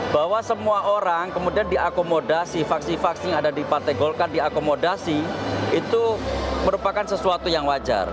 bahwa semua orang kemudian diakomodasi faksi faksi yang ada di partai golkar diakomodasi itu merupakan sesuatu yang wajar